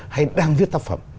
hay đang viết tác phẩm